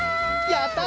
やった！